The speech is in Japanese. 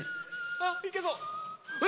あいけそう！